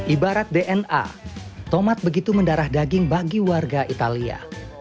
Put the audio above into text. ibarat dna tomat begitu mendarah daging bagi warga italia